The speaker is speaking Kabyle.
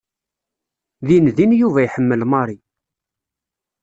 Dindin Yuba iḥemmel Mary.